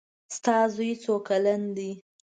د تا زوی څو کلن ده